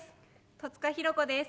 戸塚寛子です。